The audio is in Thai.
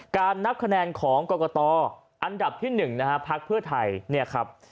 นับคะแนนของกรกตอันดับที่๑นะฮะพักเพื่อไทยเนี่ยครับ